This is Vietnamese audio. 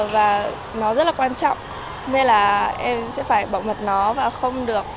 và nó rất là quan trọng nên là em sẽ phải bảo mật nó và không được